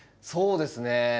そうですね。